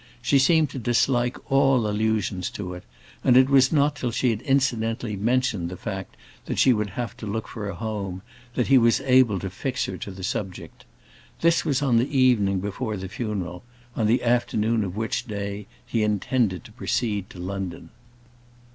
She seemed to dislike all allusions to it, and it was not till she had incidentally mentioned the fact that she would have to look for a home, that he was able to fix her to the subject. This was on the evening before the funeral; on the afternoon of which day he intended to proceed to London.